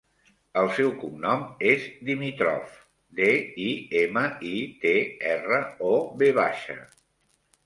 El seu cognom és Dimitrov: de, i, ema, i, te, erra, o, ve baixa.